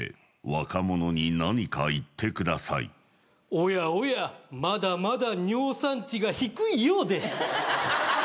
おやおやまだまだ尿酸値がひくいようで。